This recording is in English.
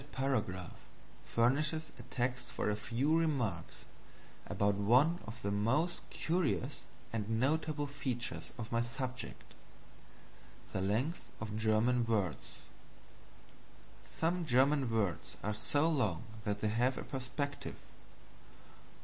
That paragraph furnishes a text for a few remarks about one of the most curious and notable features of my subject the length of German words. Some German words are so long that they have a perspective.